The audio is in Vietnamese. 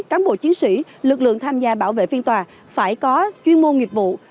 các bộ chiến sĩ lực lượng tham gia bảo vệ phiên tòa phải có chuyên môn nghiệp vụ